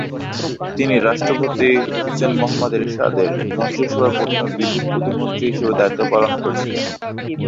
তিনি রাষ্ট্রপতি হুসেন মোহাম্মদ এরশাদের মন্ত্রিসভায় প্রথমে বিদ্যুৎ প্রতিমন্ত্রী হিসাবে দায়িত্ব পালন করেছিলেন।